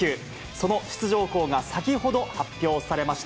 その出場校が先ほど発表されました。